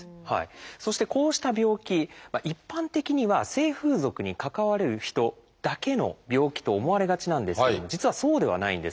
そしてこうした病気一般的には性風俗に関わる人だけの病気と思われがちなんですけども実はそうではないんです。